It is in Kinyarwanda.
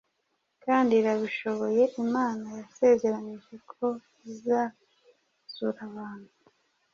kandi irabishoboye. Imana yasezeranyije ko izazura abantu